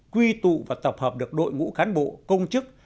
quy tụ và tập hợp được đội ngũ cán bộ công chức